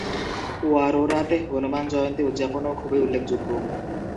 ওয়ারোরাতে হনুমান জয়ন্তী উদযাপনও খুবই উল্লেখযোগ্য।